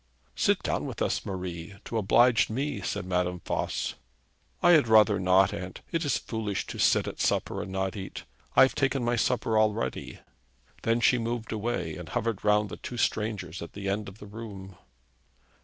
'Sit down with us, Marie, to oblige me,' said Madame Voss. 'I had rather not, aunt. It is foolish to sit at supper and not eat. I have taken my supper already.' Then she moved away, and hovered round the two strangers at the end of the room.